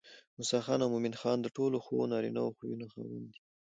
موسى خان او مومن خان د ټولو ښو نارينه خويونو خاوندان دي